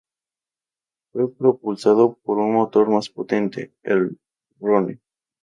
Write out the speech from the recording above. Era propulsado por un motor más potente, el Rhône.